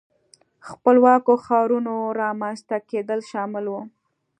خپلواکو ښارونو رامنځته کېدل شامل وو.